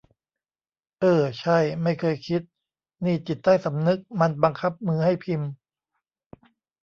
เอ้อ ใช่ ไม่เคยคิด นี่จิตใต้สำนึกมันบังคับมือให้พิมพ์ !